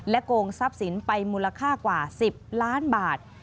โกงทรัพย์สินไปมูลค่ากว่า๑๐ล้านบาท